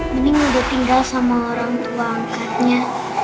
bening udah tinggal sama orang tua angkarnya